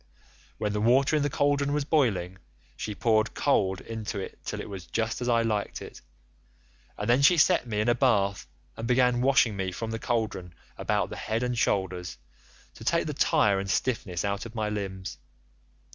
When the water in the cauldron was boiling,87 she poured cold into it till it was just as I liked it, and then she set me in a bath and began washing me from the cauldron about the head and shoulders, to take the tire and stiffness out of my limbs.